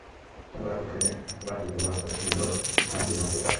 তাঁর লড়াকু ব্যাটিংয়ে ম্যাচটা বাঁচিয়ে ফেলে বাংলাদেশ, নিজেও পান তিন অঙ্কের দেখা।